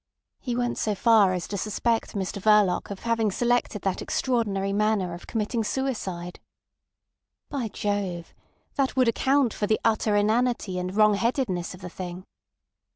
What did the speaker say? He went so far as to suspect Mr Verloc of having selected that extraordinary manner of committing suicide. By Jove! that would account for the utter inanity and wrong headedness of the thing.